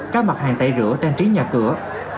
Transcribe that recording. các mặt hàng tẩy rửa trang trí nhà cửa